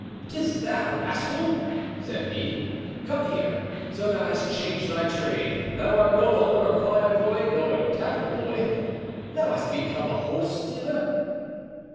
'tis thou, rascal!" said he, "come here: so thou hast changed thy trade; thou art no longer a choir boy nor a tavern boy; thou hast become a horse stealer?"